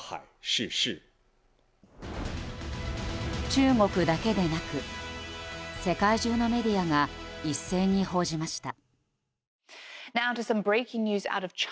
中国だけでなく世界中のメディアが一斉に報じました。